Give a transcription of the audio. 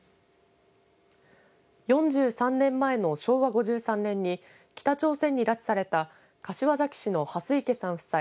４３年前の昭和５３年に北朝鮮に拉致された柏崎市の蓮池さん夫妻。